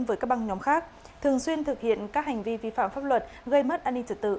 với các băng nhóm khác thường xuyên thực hiện các hành vi vi phạm pháp luật gây mất an ninh trật tự